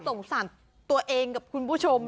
ต้องสั่นตัวเองกับคุณผู้ชมนะ